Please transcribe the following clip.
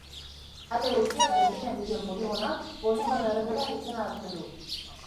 Alde guztiak berdinak dituen poligonoak poligono erregular izena hartzen du.